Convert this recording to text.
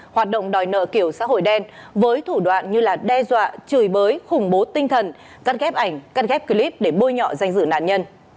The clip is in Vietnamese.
hoạt động đòi nợ kiểu xã hội đen với thủ đoạn như đe dọa chửi bới khủng bố tinh thần cắt ghép ảnh căn ghép clip để bôi nhọ danh dự nạn nhân